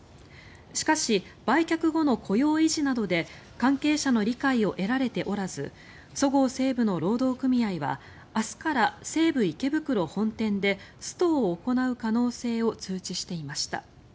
しかし、売却後の雇用維持などで関係者の理解を得られておらずそごう・西武の労働組合は明日から西武池袋本店でストを行う可能性を通知していました。